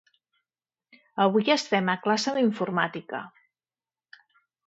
Avui estem a classe d'informàtica.